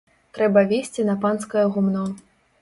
Трэба везці на панскае гумно.